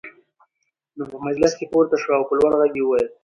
نو په مجلس کې پورته شو او په لوړ غږ يې وويل: